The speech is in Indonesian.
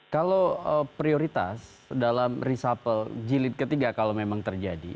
kalau prioritas dalam reshuffle jilid ketiga kalau memang terjadi